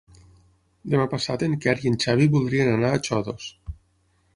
Demà passat en Quer i en Xavi voldrien anar a Xodos.